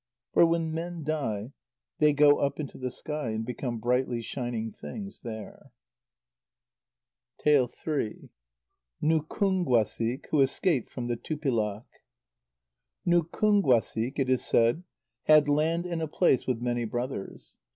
For when men die, they go up into the sky and become brightly shining things there. NUKÚNGUASIK, WHO ESCAPED FROM THE TUPILAK Nukúnguasik, it is said, had land in a place with many brothers.